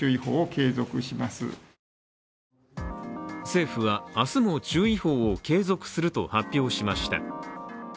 政府は明日も注意報を継続すると発表しました。